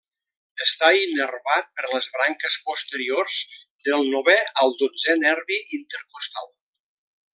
Està innervat per les branques posteriors del novè al dotzè nervi intercostal.